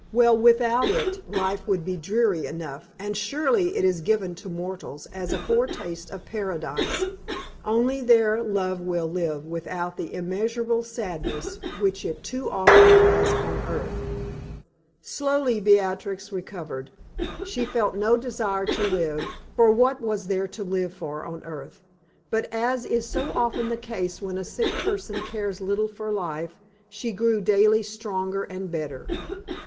Well, without it, life would be dreary enough, and surely it is given to mortals as a foretaste of Paradise, only there love will live without "the immeasurable sadness which it too often has on earth." Slowly Beatrix recovered. She felt no desire to live, for what was there to live for on earth? But as is so often the case when a sick person cares little for life, she grew daily stronger and better.